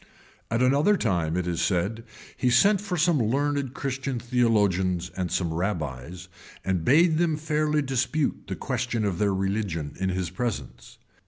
[*] At another time, it is said, he sent for some learned Christian theologians and some rabbies, and bade them fairly dispute the question of their religion in his presence.